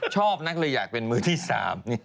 ชอบนะก็เลยอยากเป็นมือที่สาม